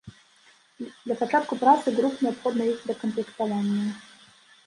Для пачатку працы груп неабходна іх дакамплектаванне.